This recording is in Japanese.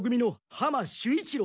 浜守一郎！